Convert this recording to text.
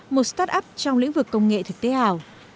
một start up trong lĩnh vực công nghệ thực tế ảo